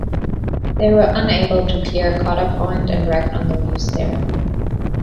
They were unable to clear Cotta Point and wrecked on the reefs there.